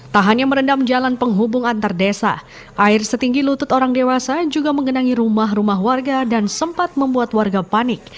tak hanya merendam jalan penghubung antar desa air setinggi lutut orang dewasa juga mengenangi rumah rumah warga dan sempat membuat warga panik